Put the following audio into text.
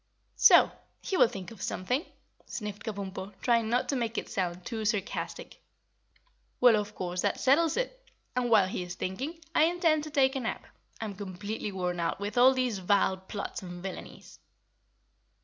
"So! He will think of something," sniffed Kabumpo, trying not to make it sound too sarcastic. "Well, of course, that settles it. And while he is thinking, I intend to take a nap. I'm completely worn out with all these vile plots and villainies."